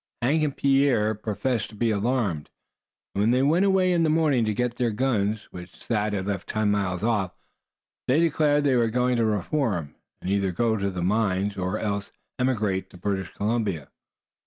Hank and Pierre professed to be alarmed; and when they went away in the morning to get their guns, which Thad had left ten miles off, they declared they were going to reform, and either go into the mines, or else emigrate to British Columbia.